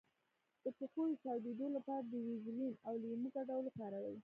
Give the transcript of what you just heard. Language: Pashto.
د پښو د چاودیدو لپاره د ویزلین او لیمو ګډول وکاروئ